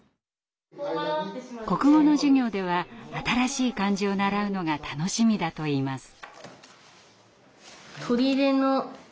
国語の授業では新しい漢字を習うのが楽しみだといいます。